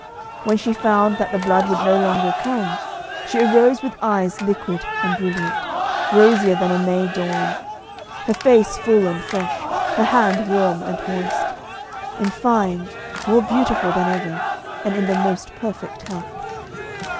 When she found that the blood would no longer come, she arose with eyes liquid and brilliant, rosier than a May dawn; her face full and fresh, her hand warm and moist in fine, more beautiful than ever, and in the most perfect health.